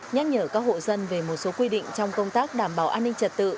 nhắc nhở các hộ dân về một số quy định trong công tác đảm bảo an ninh trật tự